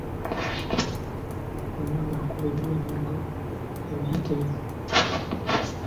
Omwana akubiddwa emiggo emiyitirivu.